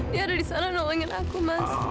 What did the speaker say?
dia ada disana nolongin aku mas